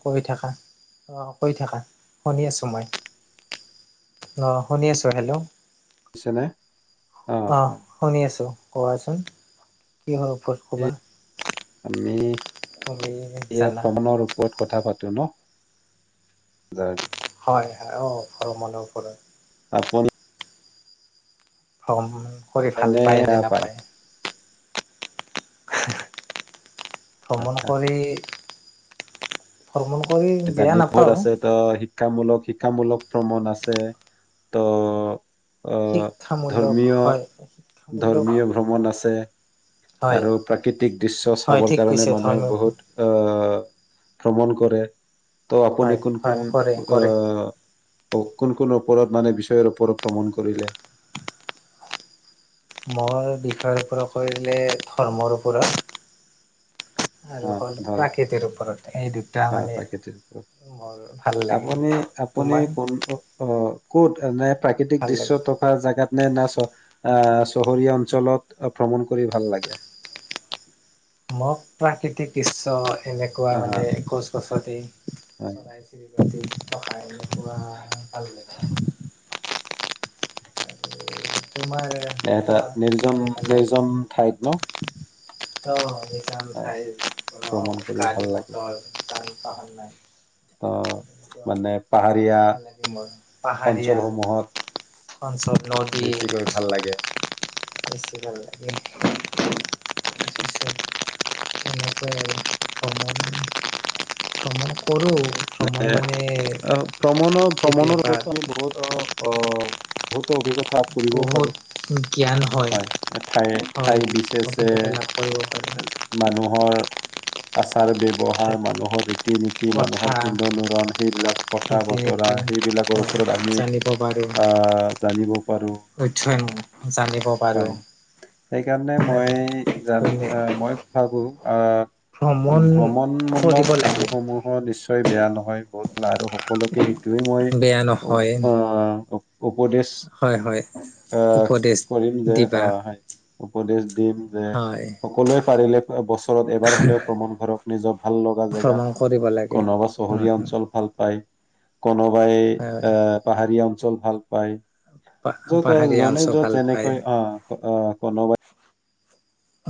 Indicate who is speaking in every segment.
Speaker 1: কৈ থাকা অ কৈ থাকা শুনি আছোঁ মই অ শুনি আছোঁ হেল্ল'
Speaker 2: বুজিছেনে
Speaker 1: অ শুনি আছো কোৱাচোন কিহৰ ওপৰত
Speaker 2: এই
Speaker 1: কবা
Speaker 2: আমি
Speaker 1: কব
Speaker 2: এয়া
Speaker 1: জা
Speaker 2: ভ্ৰমণৰ ওপৰত কথা পাতো ন য দ [unintelligible]
Speaker 1: হয় হয় অ সৰু মানুহ ফ
Speaker 2: আপ
Speaker 1: অম কৰি ভাল
Speaker 2: এনে
Speaker 1: পায় নে
Speaker 2: সেয়া
Speaker 1: নাপায়
Speaker 2: আহ
Speaker 1: ভ্ৰমণ কৰি ভ্ৰমণ কৰি বেয়া
Speaker 2: জানিপুৰত
Speaker 1: নাপাওঁ
Speaker 2: আছে ত শিক্ষামূলক শিক্ষা [unintelligible] শিক্ষামূলক ভ্ৰমণ আছে ত' আহ
Speaker 1: শিক্ষামূলক
Speaker 2: ধৰ্মীয়
Speaker 1: হয় শিক্ষামূলক
Speaker 2: ধৰ্মীয় ভ্ৰমণ আছে
Speaker 1: হয়
Speaker 2: আৰু প্ৰাকৃতিক দৃশ্য
Speaker 1: হয়
Speaker 2: চাবৰ
Speaker 1: ঠিক
Speaker 2: কাৰণে
Speaker 1: কৈছে
Speaker 2: মানুহে
Speaker 1: ধৰ্মীয়
Speaker 2: বহুত আহ ভ্ৰমণ কৰে তনি
Speaker 1: হয়
Speaker 2: একণ
Speaker 1: হয়
Speaker 2: কণ
Speaker 1: কৰে কৰে
Speaker 2: অ [unintelligible] কোন কোন ওপৰত মানে বিষয়ৰ ওপৰত ভ্ৰমণ কৰিলে
Speaker 1: মই বিষয়ৰ পৰা কৰিলে ধৰ্মৰ পৰা
Speaker 2: অ
Speaker 1: আৰু হ'ল
Speaker 2: ধৰ
Speaker 1: প্ৰাকৃতিৰ ওপৰত এই দুটা
Speaker 2: হা
Speaker 1: মানে
Speaker 2: প্ৰাকৃতিৰ ওপৰত
Speaker 1: মোৰ ভাল লাগে
Speaker 2: আপুনি আপুনি
Speaker 1: তোমাৰ
Speaker 2: কোন অ কত এ প্ৰাকৃতিক
Speaker 1: ভাল লাগে
Speaker 2: দৃশ্য তকা জেগাত না চ আহ চহৰীয়া অঞ্চলত ভ্ৰমণ কৰি ভাল লাগে
Speaker 1: মোক প্ৰাকৃতিক দৃশ্য এনেকুৱা
Speaker 2: আহা
Speaker 1: মানে গছ গছতে
Speaker 2: হয়
Speaker 1: চৰাই চিৰিকটি থকাই এনেকুৱা ভাল লাগে। উ [inaudible]
Speaker 2: এটা নিৰ্জন
Speaker 1: লাগে
Speaker 2: নিৰ্জন ঠাইত ন!
Speaker 1: অ' [inaudible]
Speaker 2: আহ
Speaker 1: ঠাইত
Speaker 2: ভ্ৰমণ কৰি ভাল
Speaker 1: গাড়ী
Speaker 2: লাগে
Speaker 1: মটৰ [inaudible]
Speaker 2: [inaudible] মানে
Speaker 1: ভাল লাগে মোৰ
Speaker 2: পাহাৰীয়া
Speaker 1: পাহাৰীয়া অঞ্চল
Speaker 2: অঞ্চলসমূহত
Speaker 1: নদী
Speaker 2: বেছিকৈ ভাল লাগে।
Speaker 1: বেছি ভাল লাগে। [unintelligible] তেনেকৈ ভ্ৰমণ ভ্ৰমণ কৰোঁ। ভ্ৰমণ
Speaker 2: নে
Speaker 1: মানে
Speaker 2: ভ্ৰমণৰ ভ্ৰমণৰ
Speaker 1: কেতিয়াবা
Speaker 2: ফলৰ আমি বহুত অ বহুত অভিজ্ঞতা। কৰিব
Speaker 1: বহুত
Speaker 2: পাৰো হয় ঠাই
Speaker 1: হয়
Speaker 2: ঠাই বিশেষে
Speaker 1: অভিজ্ঞতা লাভ কৰিব পাৰো
Speaker 2: মানুহৰ তাৰ ব্যৱহাৰ মানুহৰ ৰীতি নীতি
Speaker 1: কথা
Speaker 2: মানুহৰ পিন্ধন উৰন সেইবিলাকৰ কথা
Speaker 1: ৰীতি
Speaker 2: বতৰা
Speaker 1: নীতি
Speaker 2: সেইবিলাকৰ ওপৰত আমি
Speaker 1: জানিব পাৰো
Speaker 2: জানিব পাৰোঁ।
Speaker 1: অধ্যয়ন জানিব পাৰো
Speaker 2: হয় সেইকাৰণে মই
Speaker 1: আৰু
Speaker 2: জান মই ভাবো অ
Speaker 1: ভ্ৰমণ কৰিব
Speaker 2: ভ্ৰমণমূলক
Speaker 1: লাগে
Speaker 2: কামসমূহৰ নিশ্চয় নি বেয়া নহয় বহুত আৰু সকলোকে সেইটয়ে মই
Speaker 1: বেয়া নহয়
Speaker 2: আহ উপদেশ
Speaker 1: হয় হয়
Speaker 2: আহ
Speaker 1: উপদেশ
Speaker 2: যে
Speaker 1: দিবা
Speaker 2: অ উপদেশ দিম যে
Speaker 1: হয়
Speaker 2: সকলোৱে পাৰিলে বস ওচৰত এবাৰ হলেও প্ৰমণ ঘৰক নিজৰ ভাল লগা জেগাত
Speaker 1: ভ্ৰমণ কৰিব লাগে
Speaker 2: কোনোবা
Speaker 1: উম
Speaker 2: চহৰীয়া
Speaker 1: হম
Speaker 2: অঞ্চল ভাল পায় কোনোবাই এ পাহাৰীয়া অঞ্চল ল ভাল পায়
Speaker 1: প পাহাৰীয়া অঞ্চ ভাল পায়
Speaker 2: অ-অ কনব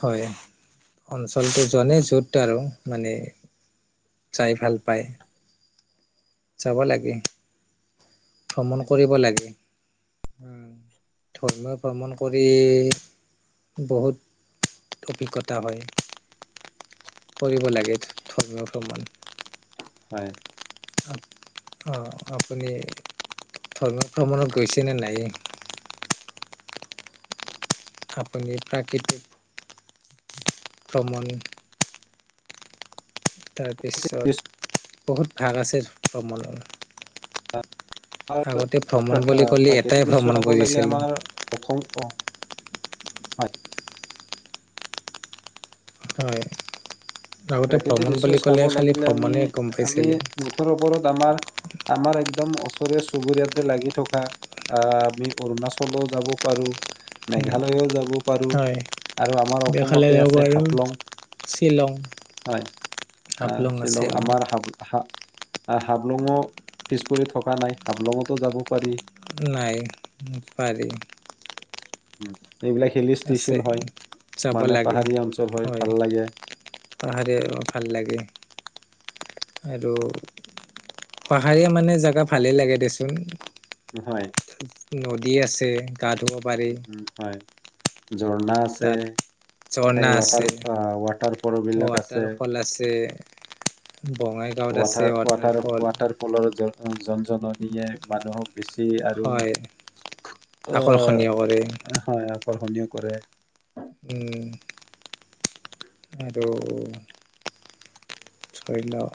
Speaker 1: হয় অঞ্চলটো জনে য'ত আৰু মানে যাই ভাল পায় চাব লাগে। ভ্ৰমণ কৰিব লাগে ধৰ্মীয়ই ভ্ৰমণ কৰি বহুত অভিজ্ঞতা হয় কৰিব লাগে ধৰ্মীয় ভ্ৰমণ
Speaker 2: হয়
Speaker 1: অঁ আপুনি ভ্ৰমণত গৈছেনে নাইেই আপুনি পাকৃতিক ধমণ
Speaker 2: প্ৰাকৃতিক দৃশ্য
Speaker 1: তাৰপিছত বহুত ভাগ আছে ভমণৰ ভ্ৰমণ
Speaker 2: মাৰ
Speaker 1: বুলি
Speaker 2: আহ
Speaker 1: ক'লে এটাই
Speaker 2: প্ৰাকৃতিক দৃশ্য
Speaker 1: ভ্ৰমণ
Speaker 2: চাব লাগিলে
Speaker 1: বুজিছিলোঁ
Speaker 2: আমাৰ অসম অ হয়।
Speaker 1: হয়। আগতে
Speaker 2: প্ৰাকৃতিক
Speaker 1: ভ্ৰমণ
Speaker 2: দৃশ্য
Speaker 1: বুলি ক'লে
Speaker 2: চাব
Speaker 1: খালি
Speaker 2: লাগিলে আমি
Speaker 1: ভ্ৰমণে গম
Speaker 2: আমি
Speaker 1: পাইছিলোঁ
Speaker 2: মুঠৰ ওপৰত আমাৰ আমাৰ একদম ওচৰিয়া চুবুৰীয়াতে লাগি থকা আহ আমি অৰুণাচলও যাব পাৰো। মেঘালয়ও যাব পাৰোঁ
Speaker 1: হয়
Speaker 2: আৰু আমাৰ
Speaker 1: এইফালে
Speaker 2: অসমতে
Speaker 1: যাব
Speaker 2: আছে
Speaker 1: পাৰোঁ
Speaker 2: হাপলং।
Speaker 1: শ্বিলং
Speaker 2: হয়
Speaker 1: হাফলং আছে
Speaker 2: শ্বিলং
Speaker 1: অ
Speaker 2: আমাৰ হাবলঙো পিছপৰি থকা নাই হাবলঙতো যাব পাৰি।
Speaker 1: নাই পাৰি।
Speaker 2: উম। এইবিলাক হিল
Speaker 1: আছে
Speaker 2: ষ্টেচন হয়
Speaker 1: চাব
Speaker 2: মানে
Speaker 1: লাগে
Speaker 2: পাহাৰীয়া অঞ্চল
Speaker 1: হয়,
Speaker 2: ভাল লাগে
Speaker 1: পাহৰিয়া ভাল লাগে। আৰু পাহাৰীয়া মানে জেগা ভালেই লাগে দেচোন।
Speaker 2: হয়।
Speaker 1: নদী আছে। গা ধুব পাৰি।
Speaker 2: উম উম, হয় ঝৰ্ণা আছে
Speaker 1: তাত ঝৰ্ণা
Speaker 2: সেই ৱাটাৰ
Speaker 1: আছে
Speaker 2: ৱাটাৰ ফল বিলাক আছে
Speaker 1: ৱাটাৰফল আছে বঙাইগাঁৱত আছে
Speaker 2: ৱাটাৰ ৱাটাৰ
Speaker 1: ৱাটাৰফল
Speaker 2: ৱাটাৰ ফলৰ জন জননিয়ে মানুহক বেছি আৰু
Speaker 1: হয় আকৰ্ষণীয় কৰে
Speaker 2: আহ। হয়। আকৰ্ষণীয় কৰে।
Speaker 1: উম। আৰু ধৰি লওক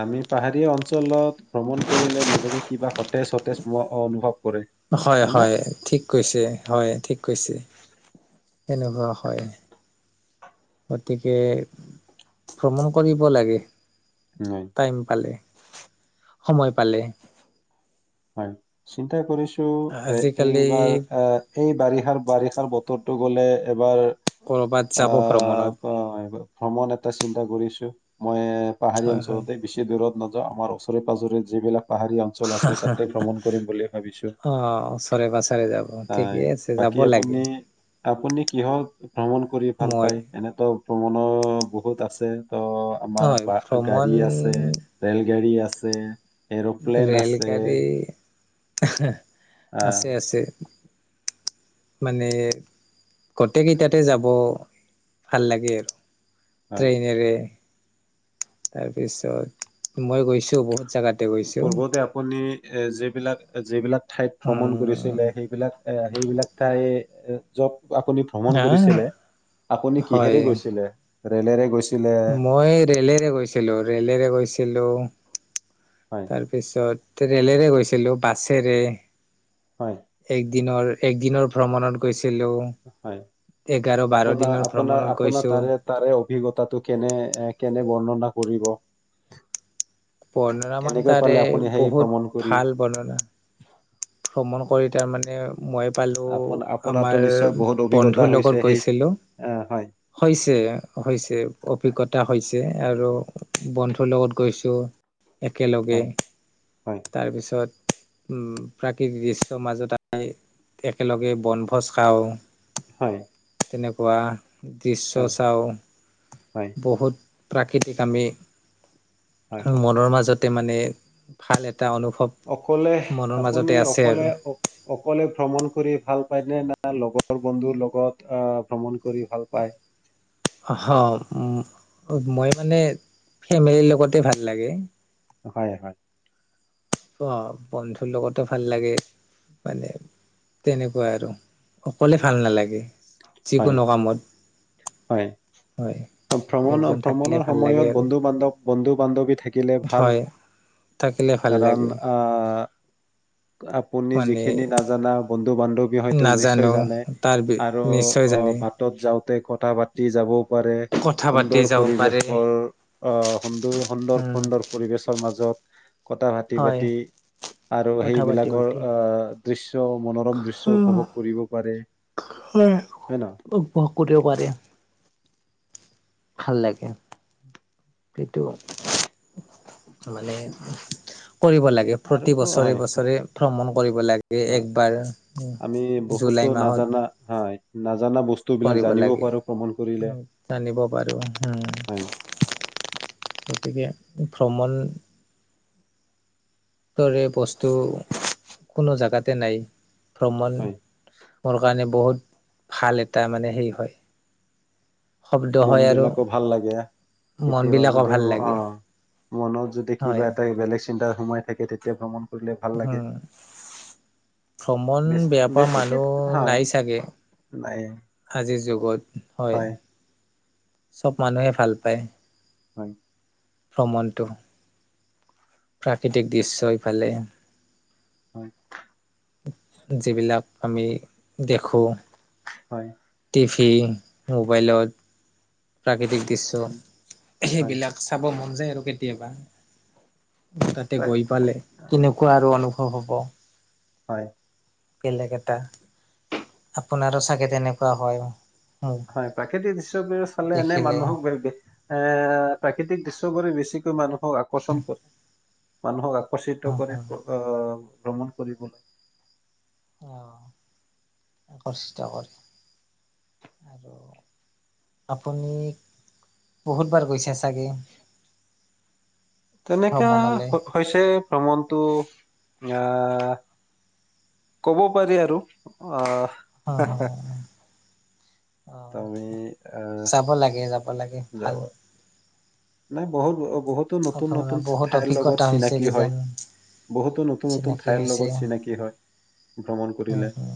Speaker 2: আমি পাহাৰীয়া অঞ্চলত ভ্ৰমণ কৰিলে নিজকে কিবা সতেজ সতেজ অনুভৱ কৰে
Speaker 1: হয় হয় ঠিক কৈছে হয় ঠিক কৈছে। সেনেকুৱা হয়। গতিকে ভ্ৰমণ কৰিব লাগে।
Speaker 2: হয়
Speaker 1: টাইম পালে। সময় পালে।
Speaker 2: হয় চিন্তা কৰিছ।
Speaker 1: আজিকালি
Speaker 2: এইবাৰ এই বাৰষাৰ বাৰিষাৰ বতৰটো গ'লে এবাৰ
Speaker 1: কৰ'বাত যাব
Speaker 2: আহ, প- ভ্ৰমণ
Speaker 1: ভ্ৰমণত।
Speaker 2: এটা চিন্তা কৰিছো মই পাহাৰি
Speaker 1: হয় হয়
Speaker 2: অঞ্চশতে বিশেষ বিৰোধ ন আমাৰ ওচৰে-পাজৰে যিবিলাক পাহাৰীয়া অঞ্চল আছে তাত
Speaker 1: অ' ওচৰে পাজৰে যাব,
Speaker 2: হয়,
Speaker 1: ঠিকেই আছে
Speaker 2: বাকী
Speaker 1: যাব
Speaker 2: আপুনি
Speaker 1: লাগে।
Speaker 2: আপুনি কিহত ভ্ৰমণ কৰি ভাল
Speaker 1: মই
Speaker 2: পায় এনেতও ভ্ৰমণ বহুত আছে। ত' আমাৰ
Speaker 1: হয়
Speaker 2: বা
Speaker 1: ভ্ৰমণ
Speaker 2: গাড়ী আছে ৰেল গাড়ী আছে। আছে। এৰোপ্লেন
Speaker 1: ৰেল
Speaker 2: আছে।
Speaker 1: গাড়ী [inaudible]
Speaker 2: আহ,
Speaker 1: আছে, আছে। মানে গোটেই কেইটাতে যাব ভাল লাগে আৰু।
Speaker 2: হয়
Speaker 1: ট্ৰেইনৰে তাৰ পিছত মই গৈছো। বহুত জোগাতে গৈছো
Speaker 2: পূৰ্বতে আপুনি এ, যিবিলাক যিবিলাক ঠাইত ভ্ৰমণ
Speaker 1: উম
Speaker 2: কৰিছিলে সেইবিলাক এ, সেইবিলাক ঠাই জব আপুনি ভ্ৰমণ
Speaker 1: হা
Speaker 2: কৰিছিলে আপুনি কিহেৰে
Speaker 1: হয়
Speaker 2: গৈছিলে। ৰেলেৰে গৈছ
Speaker 1: মই ৰেলেৰে গৈছিলো, ৰেলেৰে গৈছিলো। হেল্ল'।
Speaker 2: হয়
Speaker 1: তাৰ পিছত ৰেলেৰে গৈ ছিলো বাছেৰে
Speaker 2: হয়।
Speaker 1: দিনৰ এক দিনৰ ভ্ৰমণত গৈছিল।
Speaker 2: হয়, আপোনাৰ,
Speaker 1: দিনৰ
Speaker 2: আপোনাৰ,
Speaker 1: ভ্ৰমণত
Speaker 2: আপোনাৰ
Speaker 1: গৈছো
Speaker 2: তাৰে তাৰে অভিজ্ঞতাটো কেনে, কেনে বৰ্ণ কৰিব।
Speaker 1: বৰ্ণনা মানে
Speaker 2: কেনেকৈ
Speaker 1: তাৰে
Speaker 2: পালে আপুনি সেই
Speaker 1: বহুত
Speaker 2: ভ্ৰমণ কৰি
Speaker 1: ভাল বৰ্ণনা ভ্ৰমণ কৰি তাৰমানে মই পালো
Speaker 2: আপোন আপোনাৰতো
Speaker 1: আমাৰ
Speaker 2: নিশ্চয় বহুত অভিজ্ঞতা
Speaker 1: বন্ধুৰ
Speaker 2: হৈছে
Speaker 1: লগত
Speaker 2: সেই
Speaker 1: গৈছিলো
Speaker 2: আহ হয়
Speaker 1: হৈছে, হৈছে অভিজ্ঞ এটা হৈছে আৰু বন্ধুৰ লগত গৈছোঁ। একেলগে
Speaker 2: হয় হয়
Speaker 1: তাৰপিছত উম প্ৰাকৃতিক দৃশ্যৰ মাজত আই একেলগে বনভোজ খাওঁ।
Speaker 2: হয়
Speaker 1: তেনেকুৱা দৃশ্য
Speaker 2: হয়
Speaker 1: চাওঁ,
Speaker 2: হয়
Speaker 1: বহুত প্ৰাকৃতিক আমি
Speaker 2: হয়
Speaker 1: মনৰ মাজত তাতে মানে ভাল এটা অনুভৱ
Speaker 2: অকলে
Speaker 1: মনৰ
Speaker 2: আপুনি
Speaker 1: মাজতে আছে
Speaker 2: অকলে
Speaker 1: আৰু
Speaker 2: অ অকলে ভ্ৰমণ কৰি ভাল পাই নে না লগৰ বন্ধুৰ লগত আহ ভ্ৰমণ কৰি ভাল পায়।
Speaker 1: অহ মই মানে ফেমিলিৰ লগতে ভাল লাগে।
Speaker 2: হয় হয়।
Speaker 1: অ' বন্ধুৰ লগতো ভাল লাগে মানে তেনেকুৱা আৰু অকলে ভাল নালাগে।
Speaker 2: হয়
Speaker 1: যিকোনো কামত
Speaker 2: হয়
Speaker 1: হয়
Speaker 2: ভ্ৰমণ
Speaker 1: একজন থাকিলে
Speaker 2: ভ্ৰমণৰ
Speaker 1: ভাল লাগে
Speaker 2: সময়ত
Speaker 1: আৰু
Speaker 2: বন্ধু বান্ধৱ বন্ধু বান্ধৱী থাকিলে ভাল
Speaker 1: হয় থাকিলে ভাল
Speaker 2: কাৰণ।
Speaker 1: লাগে
Speaker 2: অঁ। আপুনি যিখিনি
Speaker 1: মানে
Speaker 2: নাজানা বন্ধু- বান্ধৱী হয়তো নিশ্চয়
Speaker 1: নাজানো
Speaker 2: জানে
Speaker 1: তাৰ
Speaker 2: আৰু
Speaker 1: নিশ্চয়
Speaker 2: অ'
Speaker 1: জানে
Speaker 2: বাটত যাওক কথা পাতি যাব পাৰে
Speaker 1: কথা পাতি
Speaker 2: সুন্দৰ
Speaker 1: যাব
Speaker 2: পৰিবেশ
Speaker 1: পাৰে
Speaker 2: বৰ আহ সুন্দৰ সুন্দৰ
Speaker 1: উম
Speaker 2: সুন্দৰ পৰিবেশৰ মাজত কটা ভতি
Speaker 1: হয়
Speaker 2: বাতি আৰু
Speaker 1: কথা পাতি
Speaker 2: সেইবিলাকৰ
Speaker 1: পাতি
Speaker 2: আহ দৃশ্য মনোৰম দৃশ্য উপভোগ কৰিব পাৰে।
Speaker 1: হয়
Speaker 2: হয় ন
Speaker 1: উপভোগ কৰিব পাৰে। ভাল লাগে, সেইটো মানে কৰিব লাগে
Speaker 2: আৰু
Speaker 1: প্ৰতি বছৰে
Speaker 2: হয়
Speaker 1: - বছৰে ভ্ৰমণ কৰিব লাগে
Speaker 2: হয়
Speaker 1: একবাৰ
Speaker 2: আমি বহুতো
Speaker 1: জুলাই মাহত।
Speaker 2: নাজানা হয় নাজানা বস্তু বিলাক
Speaker 1: কৰিব
Speaker 2: জানিব
Speaker 1: লাগে
Speaker 2: পাৰো ভ্ৰমণ কৰিলে
Speaker 1: জানিব পাৰো উম,
Speaker 2: হয়
Speaker 1: গতিকে ভ্ৰমণ দৰে বস্তু কোনো জেগাতে নাই। প্ৰমণ
Speaker 2: হয়
Speaker 1: মোৰ কাৰণে বহুত ভাল এটা মানে হেৰি হয়। শব্দ
Speaker 2: মন
Speaker 1: হয় আৰু
Speaker 2: বিলাকো ভাল লাগে
Speaker 1: মন
Speaker 2: কেতিয়াবা
Speaker 1: বিলাকো
Speaker 2: যদি
Speaker 1: ভাল লাগে
Speaker 2: আহ মনত যদি কিবা
Speaker 1: হয়
Speaker 2: এটা বেলেগ চিন্তাৰ সোমাই থাকে তেতিয়া ভ্ৰমণ কৰিলে ভাল লাগে
Speaker 1: হোম ভ্ৰমণ
Speaker 2: বেছি
Speaker 1: বেয়া পোৱা
Speaker 2: বেছিকে
Speaker 1: মানুহ
Speaker 2: হয়
Speaker 1: নাই চাগে
Speaker 2: নাই
Speaker 1: আজিৰ যুগ গত হয় চব মানুহে ভাল পায়।
Speaker 2: হয়।
Speaker 1: প্ৰমাণটো। প্ৰাকৃতিক দৃশ্য ইফালে
Speaker 2: [unintelligible]
Speaker 1: যিবিলাক আমি দেখো
Speaker 2: হয়।
Speaker 1: টিভি, মোবাইলত। প্ৰাকৃতিক দৃশ্য
Speaker 2: উম, হয়
Speaker 1: সেইবিলাক চাব মন যায় আৰু কেতিয়াবা। তাতে
Speaker 2: প্ৰায়,
Speaker 1: গৈ পালে
Speaker 2: আহ,
Speaker 1: কেনেকুৱা আৰু অনু স হ'ব।
Speaker 2: হয়।
Speaker 1: বেলেগ এটা, আপোনাৰো চাগে তেনেকুৱা হয়। মোক
Speaker 2: হয়। প্ৰাকৃতিক দৃশ্যবোৰ চালে এনে
Speaker 1: দেখিলে
Speaker 2: মানুহক বেগ এ প্ৰাকৃতিক দৃশ্যবোৰে বেছিকৈ মানুহ অ আকৰচন কৰে। মানুহক আ
Speaker 1: অ
Speaker 2: আকৰ্চিত
Speaker 1: অ,
Speaker 2: কৰে, আআ। ভ্ৰমণ কৰিবলে
Speaker 1: অ আকৰচিত কৰে আৰু আপুনি বহুত বাৰ গৈছে আছে। তাকেই।
Speaker 2: তেনেকা হৈছে ভ্ৰমণটো আহ ক'ব পাৰি আৰু আহ
Speaker 1: অ, হয় হয়। অ
Speaker 2: তুমি আহ
Speaker 1: যাব লাগে, যাব লাগে ভাল।
Speaker 2: যাবা নাই বহুত দো বহুতো নতুন নতুন
Speaker 1: আপোনাৰ বহুত
Speaker 2: ঠাইৰ লগত
Speaker 1: অভিজ্ঞতা হৈছে
Speaker 2: চিনাকি হয়।
Speaker 1: কিজানি
Speaker 2: বহুতো নতুন নতুন
Speaker 1: চিনাকি
Speaker 2: ঠাইৰ
Speaker 1: হৈছে
Speaker 2: লগত চিনাকি হয়, ভ্ৰমণ
Speaker 1: উম
Speaker 2: কৰিলে।
Speaker 1: হম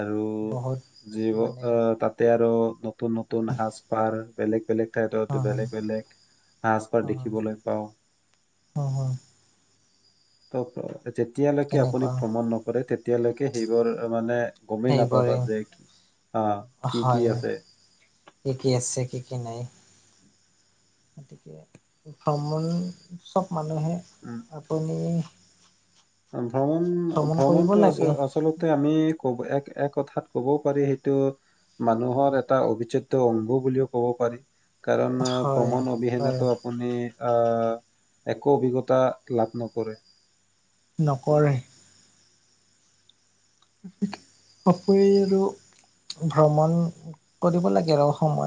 Speaker 2: আৰু
Speaker 1: বহুত
Speaker 2: জীৱ
Speaker 1: মানে
Speaker 2: তাতে আৰু নতুন সাজ-পাৰ বেলেগ-বেলেগ তেহেঁতৰটো
Speaker 1: হুম হুম
Speaker 2: বেলেগ-বেলেগ সাজ-পাৰ
Speaker 1: হুম হুম
Speaker 2: দেখিবলৈ পাও।
Speaker 1: হুম হুম
Speaker 2: ত ক যেতিয়ালৈকে আপুনি
Speaker 1: তেনেকুৱা
Speaker 2: ভ্ৰমণ নকৰে তেত এতিয়ালৈকে সেইবোৰ মানে গমেই নাপাবা
Speaker 1: সেইবোৰে
Speaker 2: যে কি আহ কি কি
Speaker 1: হয়,
Speaker 2: আছে
Speaker 1: কি কি আছে কি কি নাই, গতিকে ভ্ৰমণ চব মানুহে আপুনি
Speaker 2: উম। ভ্ৰমণ
Speaker 1: ভ্ৰমণ কৰিব
Speaker 2: ভ্ৰমণটো
Speaker 1: লাগে
Speaker 2: আচ' আচলতে আমি কব এক এক কথাত কবও পাৰি সেইটো মানুহৰ এটা অবিচ্ছেদ্য অংগ বুলিও ক'ব পাৰি কাৰণ
Speaker 1: হয়
Speaker 2: ভ্ৰমণ
Speaker 1: হয়
Speaker 2: অবিহনেতো আপুনি আহ একো অভিজ্ঞতা লাভ নকৰে
Speaker 1: নকৰে পৰি আৰু ভ্ৰমণ কৰিব লাগে আৰু সময়ত